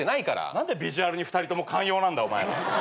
何でビジュアルに２人とも寛容なんだお前ら。